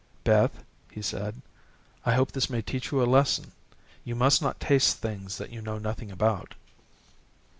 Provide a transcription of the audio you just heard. "Beth," he said, "I hope this may teach you a lesson. You must not taste things that you know nothing about."